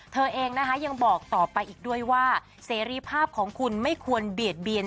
เธอเองนะคะยังบอกต่อไปอีกด้วยว่าเสรีภาพของคุณไม่ควรเบียดเบียน